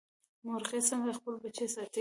مورغۍ څنګه خپل بچي ساتي؟